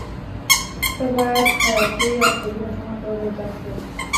ته باید خیاطي یا اشپزي په سمه توګه زده کړې.